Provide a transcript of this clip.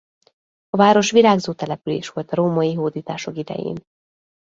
A város virágzó település volt a római hódítások idején.